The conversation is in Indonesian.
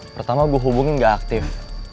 pertama gue hubungi gak aktif